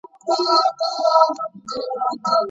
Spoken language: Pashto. د روغتیایي کارکوونکو معاشونه څوک ورکوي؟